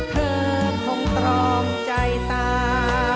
เธอคงตรองใจตา